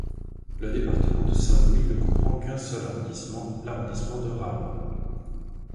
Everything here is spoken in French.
Le département de Saint-Louis ne comprend qu'un seul arrondissement, l'arrondissement de Rao.